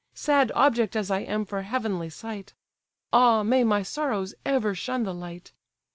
Sad object as I am for heavenly sight! Ah may my sorrows ever shun the light!